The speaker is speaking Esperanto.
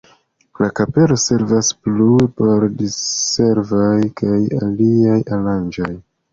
La kapelo servas plue por diservoj kaj aliaj aranĝoj.